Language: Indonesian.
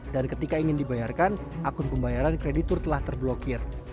dan ketika ingin dibayarkan akun pembayaran kreditur telah terblokir